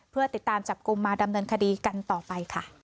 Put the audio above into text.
เพื่อติดตามจับกลุ่มมาดำเนินคดีกันต่อไปค่ะ